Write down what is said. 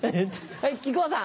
はい木久扇さん。